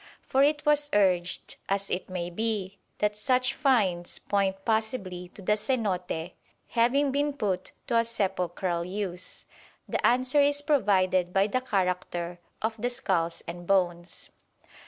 For if it was urged, as it may be, that such "finds" point possibly to the cenote having been put to a sepulchral use, the answer is provided by the character of the skulls and bones.